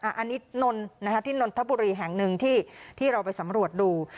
อันนี้นนที่นนทบุรีแห่งหนึ่งที่เราไปสำรวจดู